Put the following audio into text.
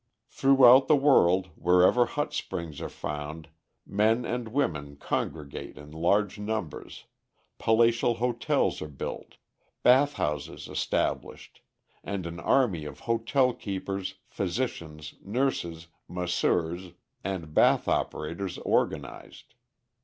Throughout the world, wherever hot springs are found, men and women congregate in large numbers, palatial hotels are built, bath houses established, and an army of hotel keepers, physicians, nurses, masseurs, and bath operators organized.